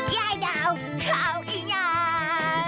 ยายดาวข่าวอียา